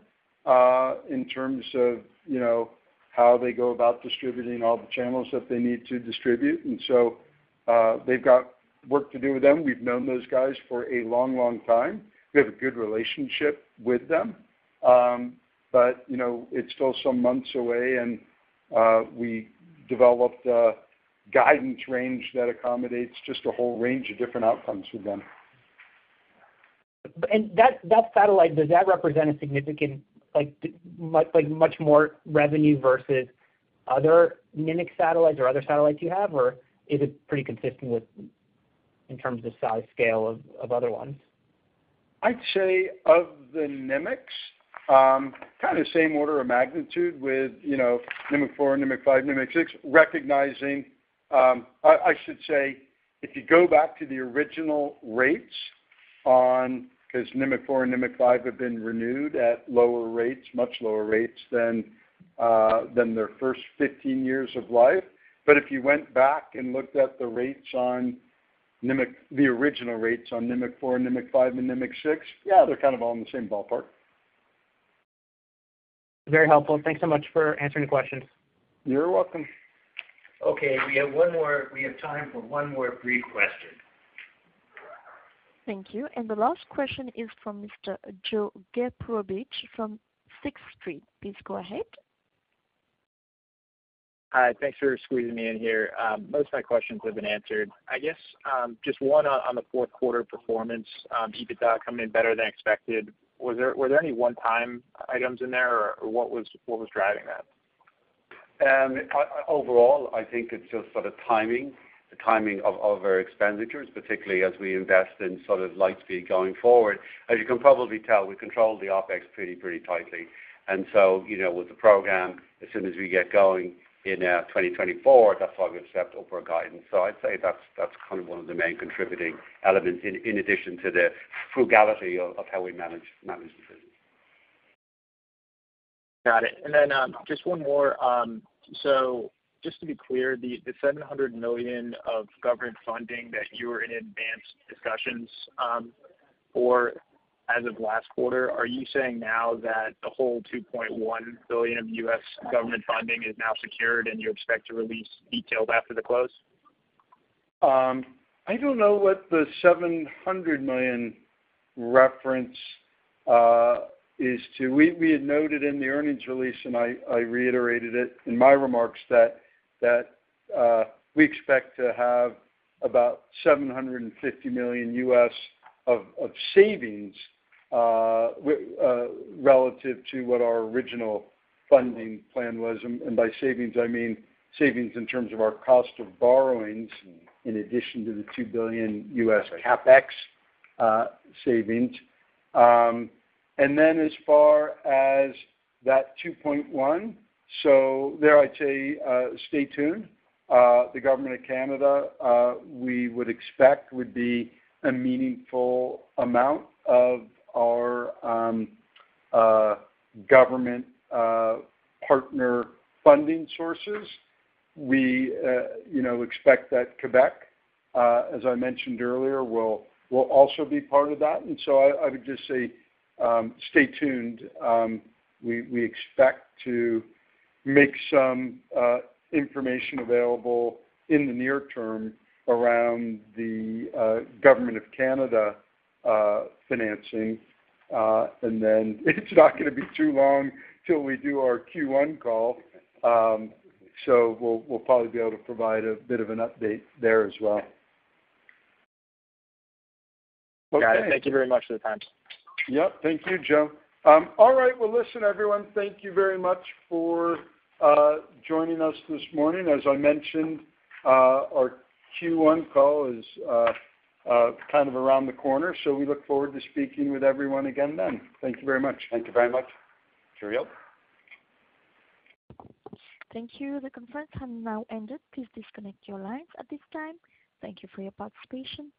in terms of how they go about distributing all the channels that they need to distribute. And so they've got work to do with them. We've known those guys for a long, long time. We have a good relationship with them, but it's still some months away. And we developed a guidance range that accommodates just a whole range of different outcomes with them. That satellite, does that represent a significant much more revenue versus other Nimiq satellites or other satellites you have? Or is it pretty consistent in terms of size, scale of other ones? I'd say of the Nimiqs, kind of same order of magnitude with Nimiq 4, Nimiq 5, Nimiq 6, recognizing I should say, if you go back to the original rates on, because Nimiq 4 and Nimiq 5 have been renewed at lower rates, much lower rates than their first 15 years of life. But if you went back and looked at the original rates on Nimiq 4, Nimiq 5, and Nimiq 6, yeah, they're kind of all in the same ballpark. Very helpful. Thanks so much for answering the questions. You're welcome. Okay. We have one more we have time for one more brief question. Thank you. And the last question is from Mr. Joe Ghergurovich from Sixth Street. Please go ahead. Hi. Thanks for squeezing me in here. Most of my questions have been answered. I guess just one on the fourth quarter performance, EBITDA coming in better than expected. Were there any one-time items in there, or what was driving that? Overall, I think it's just sort of timing, the timing of our expenditures, particularly as we invest in sort of Lightspeed going forward. As you can probably tell, we control the OpEx pretty, pretty tightly. And so with the program, as soon as we get going in 2024, that's why we've accepted upper guidance. So I'd say that's kind of one of the main contributing elements in addition to the frugality of how we manage the business. Got it. And then just one more. So just to be clear, the 700 million of government funding that you were in advanced discussions for as of last quarter, are you saying now that the whole $2.1 billion of US government funding is now secured and you expect to release details after the close? I don't know what the $700 million reference is to. We had noted in the earnings release, and I reiterated it in my remarks, that we expect to have about $750 million of savings relative to what our original funding plan was. By savings, I mean savings in terms of our cost of borrowings in addition to the $2 billion CapEx savings. Then as far as that $2.1 billion, I'd say stay tuned. The Government of Canada, we would expect, would be a meaningful amount of our government partner funding sources. We expect that Quebec, as I mentioned earlier, will also be part of that. So I would just say stay tuned. We expect to make some information available in the near term around the Government of Canada financing. Then it's not going to be too long till we do our Q1 call. We'll probably be able to provide a bit of an update there as well. Got it. Thank you very much for the time. Yep. Thank you, Joe. All right. Well, listen, everyone, thank you very much for joining us this morning. As I mentioned, our Q1 call is kind of around the corner. So we look forward to speaking with everyone again then. Thank you very much. Thank you very much, Cherielle? Thank you. The conference time now ended. Please disconnect your lines at this time. Thank you for your participation.